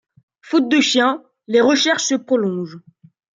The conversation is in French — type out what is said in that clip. Faute de chien, les recherches se prolongent.